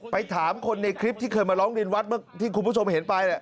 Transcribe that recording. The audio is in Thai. ถามคนในคลิปที่เคยมาร้องเรียนวัดเมื่อที่คุณผู้ชมเห็นไป